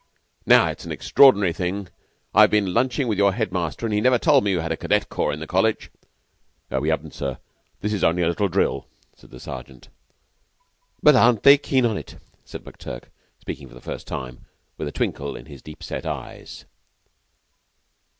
Now, it's an extraordinary thing: I've been lunching with your head master and he never told me you had a cadet corps in the College." "We 'aven't, sir. This is only a little drill," said the Sergeant. "But aren't they keen on it?" said McTurk, speaking for the first time, with a twinkle in his deep set eyes.